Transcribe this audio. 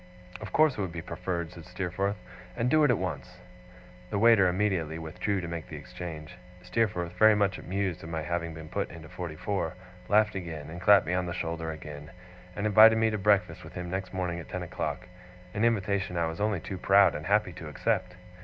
'Of course it would be preferred,' said Steerforth. 'And do it at once.' The waiter immediately withdrew to make the exchange. Steerforth, very much amused at my having been put into forty four, laughed again, and clapped me on the shoulder again, and invited me to breakfast with him next morning at ten o'clock an invitation I was only too proud and happy to accept.